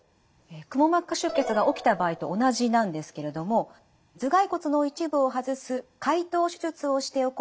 くも膜下出血が起きた場合と同じなんですけれども頭蓋骨の一部を外す開頭手術をして行うクリッピング術。